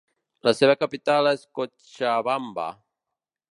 La seva capital és Cochabamba.